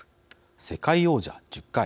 世界王者１０回。